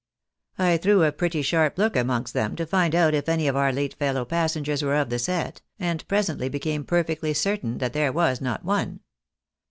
I threw a pretty sharp look amongst them to find out if any of our late fellow passengers were of the set, and presently became perfectly certain that there was not one.